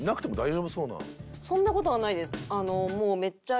そんな事はないです。